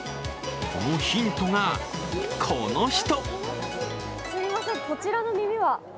そのヒントが、この人。